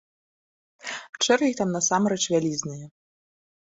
Чэргі там насамрэч вялізныя.